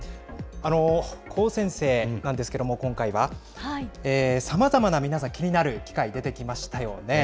高専生なんですけれども、今回は、さまざまな皆さん、気になる機械、出てきましたよね。